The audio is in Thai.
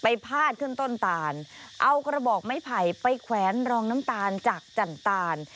พาดขึ้นต้นตาลเอากระบอกไม้ไผ่ไปแขวนรองน้ำตาลจากจันตาล